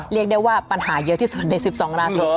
เรียกได้ว่าปัญหาเยอะที่สุดใน๑๒ราศี